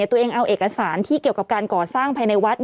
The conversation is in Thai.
ตัวเองเอาเอกสารที่เกี่ยวกับการก่อสร้างภายในวัด